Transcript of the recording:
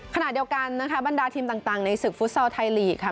ขณะเดียวกันนะคะบรรดาทีมต่างในศึกฟุตซอลไทยลีกค่ะ